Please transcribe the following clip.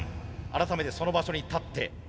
改めてその場所に立って。